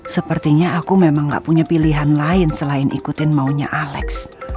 sepertinya aku memang gak punya pilihan lain selain ikutin maunya alex